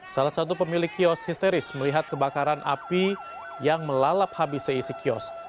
salah satu pemilik kios histeris melihat kebakaran api yang melalap habis seisi kios